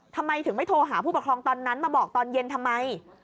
ทำไมถึงไม่โทรหาผู้ปกครองตอนนั้นมาบอกตอนเย็นทำไม